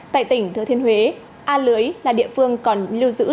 tại tỉnh thừa thiên huế a lưới là địa phương còn lưu giữ